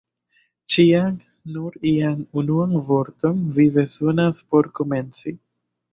Ĉiam nur ian unuan vorton vi bezonas por komenci!